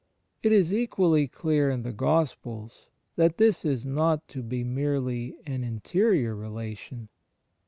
It is equally clear in the Gospels that this is not to be merely an interior relation.